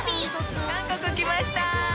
◆韓国来ました。